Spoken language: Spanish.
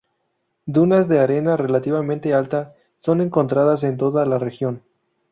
Dunas de arena relativamente alta, son encontradas en toda la región.